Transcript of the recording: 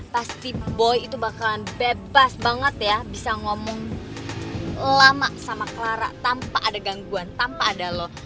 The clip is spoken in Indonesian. pasti boy itu bakalan bebas banget ya bisa ngomong lama sama clara tanpa ada gangguan tanpa ada loh